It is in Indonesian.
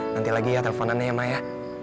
nanti lagi ya telfonannya ya mah ya